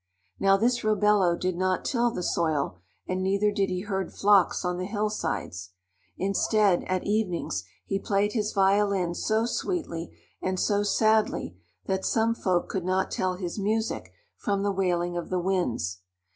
Now this Robello did not till the soil, and neither did he herd flocks on the hillsides. Instead, at evenings, he played his violin so sweetly and so sadly that some folk could not tell his music from the wailing of the winds.